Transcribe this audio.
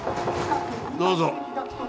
どうぞ。